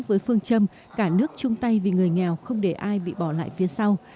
với phương châm cả nước chung tay vì người nghèo không để ai bị bỏ lại phía sau